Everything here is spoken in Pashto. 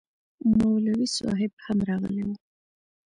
مولوي صاحب هم راغلی و